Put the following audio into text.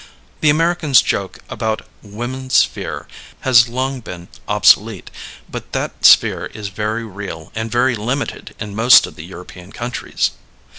The American's joke about "woman's sphere" has long been obsolete; but that sphere is very real and very limited in most of the European countries.